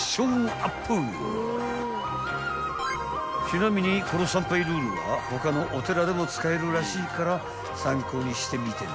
［ちなみにこの参拝ルールは他のお寺でも使えるらしいから参考にしてみてね］